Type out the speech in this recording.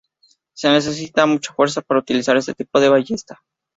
Se necesita mucha fuerza para utilizar este tipo de ballesta.